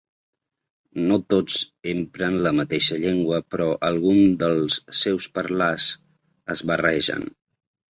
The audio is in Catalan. No tots empren la mateixa llengua, però alguns dels seus parlars es barregen.